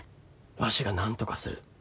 わしがなんとかする。